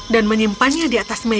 dan menyimpannya di atas meja